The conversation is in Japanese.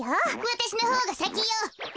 わたしのほうがさきよ！